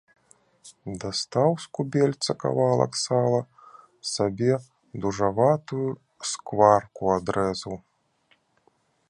Дастаў з кубельца кавалак сала, сабе дужаватую скварку адрэзаў.